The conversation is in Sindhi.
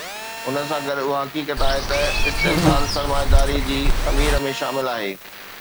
ان سان گڏ اها حقيقت آهي ته استحصال سرمائيداري جي خمير ۾ شامل آهي.